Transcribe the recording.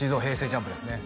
ＪＵＭＰですね